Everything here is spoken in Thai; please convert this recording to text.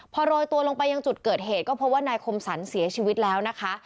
พอโรยตัวลงไปยังจุดเกิดเหตุก็พบว่านายคมสรรเสียชีวิตแล้วนะคะ